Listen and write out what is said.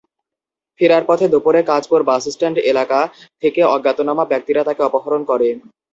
ফেরার পথে দুপুরে কাঁচপুর বাসস্ট্যান্ড এলাকা থেকে অজ্ঞাতনামা ব্যক্তিরা তাঁকে অপহরণ করে।